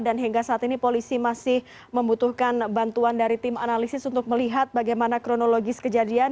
dan hingga saat ini polisi masih membutuhkan bantuan dari tim analisis untuk melihat bagaimana kronologis kejadian